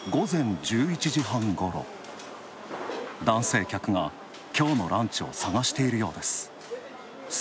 男性客が、きょうのランチを探しているようです。